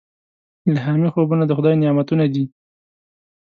الهامي خوبونه د خدای نعمتونه دي.